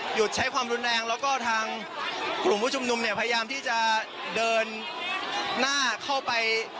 ใช้ความรุนแรงแล้วก็ทางกลุ่มผู้ชุมนุมเนี่ยพยายามที่จะเดินหน้าเข้าไป